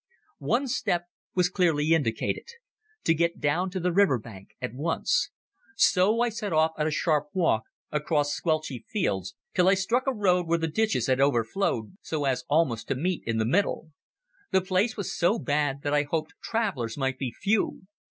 One step was clearly indicated—to get down to the river bank at once. So I set off at a sharp walk across squelchy fields, till I struck a road where the ditches had overflowed so as almost to meet in the middle. The place was so bad that I hoped travellers might be few.